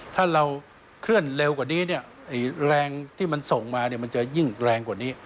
ถ้าเราเคลื่อนเร็วกว่านี้เนี่ยแรงที่มันส่งมามันจะยิ่งแรงกว่านี้